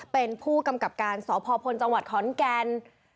เป็นผู้กำกับการสพพลจังหวัดขอนแก่น